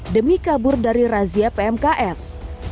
demi kabur dari razia pmks